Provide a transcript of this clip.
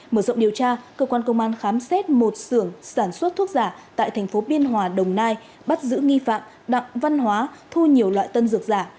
mở rộng điều tra cơ quan công an khám xét một sưởng sản xuất thuốc giả tại thành phố biên hòa đồng nai bắt giữ nghi phạm đặng văn hóa thu nhiều loại tân dược giả